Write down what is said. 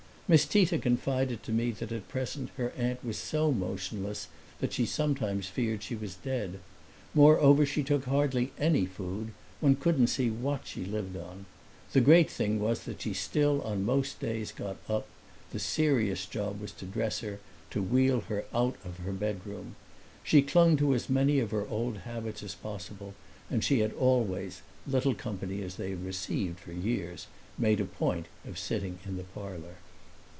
Miss Tita confided to me that at present her aunt was so motionless that she sometimes feared she was dead; moreover she took hardly any food one couldn't see what she lived on. The great thing was that she still on most days got up; the serious job was to dress her, to wheel her out of her bedroom. She clung to as many of her old habits as possible and she had always, little company as they had received for years, made a point of sitting in the parlor.